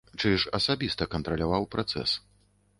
Чыж асабіста кантраляваў працэс.